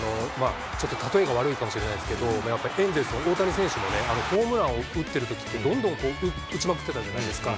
ちょっと例えが悪いかもしれませんけども、エンゼルスの大谷選手もホームランを打ってるときって、どんどん打ちまくってたじゃないですか。